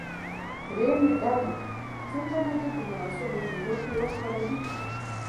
دریمې ډلې څو تنه دې په مناسبو جملو کې وکاروي.